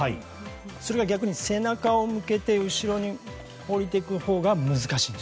それが逆に背中を向けて後ろに下りていくほうが難しいんです。